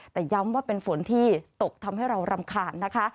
แต่ย้ำว่าเป็นฝนที่ตกทำให้เรารำคาญนะคะ